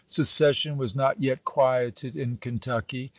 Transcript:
Seces sion was not yet quieted in Kentucky.